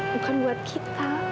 bukan buat kita